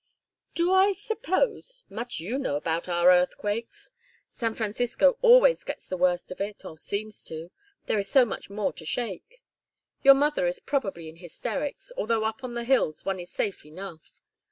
"Do I suppose much you know about our earthquakes! San Francisco always gets the worst of it, or seems to, there is so much more to shake. Your mother is probably in hysterics, although up on the hills one is safe enough.